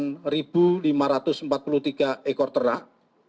dua puluh empat puluh tiga ekor ternak